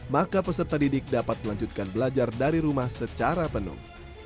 maka peserta didik dapat melanjutkan belajar dari rumah secara penuh